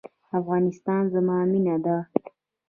افغانستان زما مینه ده؟